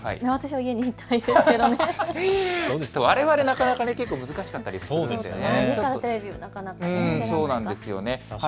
われわれ、なかなか結構、難しかったりしますよね。